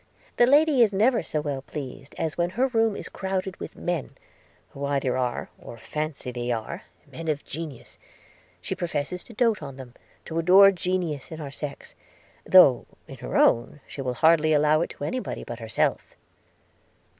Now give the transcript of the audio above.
The lady is never so well pleased as when her room is crowded with men, who either are, or fancy they are men of genius. She professes to dote upon, to adore genius in our sex; though, in her own, she will hardly allow it to any body but herself.'